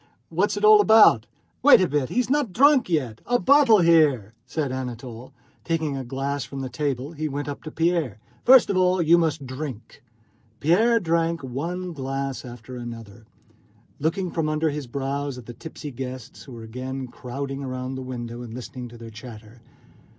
What's it all about?" "Wait a bit, he is not drunk yet! A bottle here," said Anatole, and taking a glass from the table he went up to Pierre. "First of all you must drink!" Pierre drank one glass after another, looking from under his brows at the tipsy guests who were again crowding round the window, and listening to their chatter.